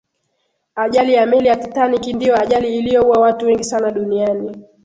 ajali ya meli ya titanic ndiyo ajali iliyoua watu wengi sana duniani